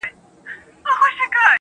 او حق غوښتنې لپاره کار کو